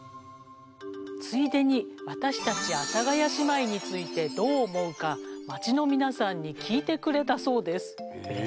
ついでに私たち阿佐ヶ谷姉妹についてどう思うか街の皆さんに聞いてくれたそうです。